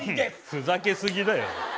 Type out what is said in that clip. ふざけ過ぎだよ。